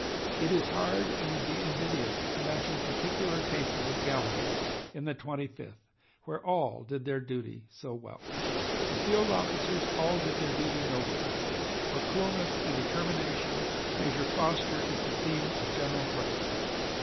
It is hard, and would be invidious, to mention particular cases of gallantry in the Twenty fifth, where all did their duty so well.... The field officers all did their duty nobly. For coolness and determination Major Foster is the theme of general praise....